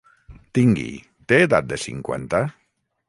Tingui, té edat de cinquanta?